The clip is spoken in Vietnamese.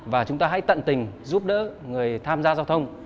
và chúng ta hãy tận tình giúp đỡ người tham gia giao thông